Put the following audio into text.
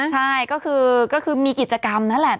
ใช่ก็คือมีกิจกรรมนั่นแหละ